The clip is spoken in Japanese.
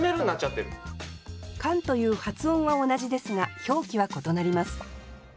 「かん」という発音は同じですが表記は異なります。